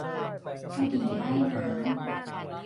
กระดี่ได้น้ำ